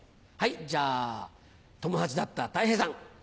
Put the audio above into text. じゃあ友達だったたい平さん。